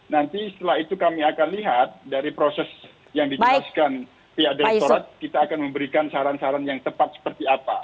nanti setelah itu kami akan lihat dari proses yang dijelaskan pihak direkturat kita akan memberikan saran saran yang tepat seperti apa